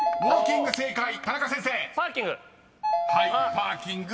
「パーキング」